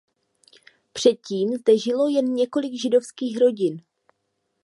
Předtím zde žilo jen několik židovských rodin.